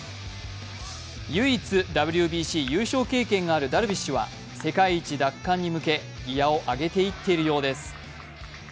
唯一ＷＢＣ優勝経験があるダルビッシュは世界一奪還に向け、ギヤを上げていっているようです。